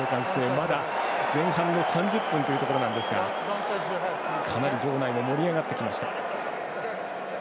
まだ前半の３０分ですがかなり場内も盛り上がってきました。